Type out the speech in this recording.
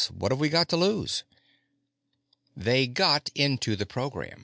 "What have we got to lose?" They got into the program.